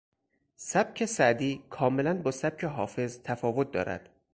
سبک سعدی کاملا با سبک حافظ تفاوت دارد.